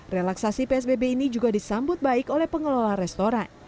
relaksasi psbb ini juga disambut baik oleh pengelola restoran